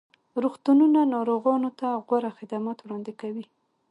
روغتونونه ناروغانو ته غوره خدمات وړاندې کوي.